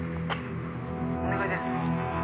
お願いです。